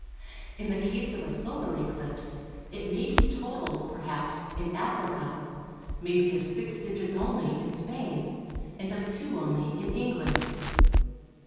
In the case of a Solar eclipse it may be total, perhaps, in Africa, may be of six digits only in Spain, and of two only in England.